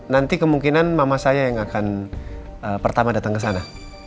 nanti kemungkinan mama saya yang akan pertama datang ke sana